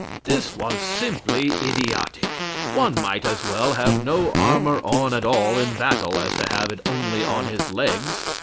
This was simply idiotic; one might as well have no armor on at all in battle as to have it only on his legs.